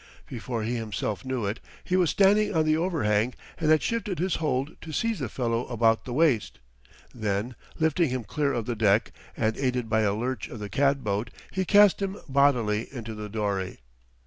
Before he himself knew it he was standing on the overhang and had shifted his hold to seize the fellow about the waist; then, lifting him clear of the deck, and aided by a lurch of the cat boat, he cast him bodily into the dory.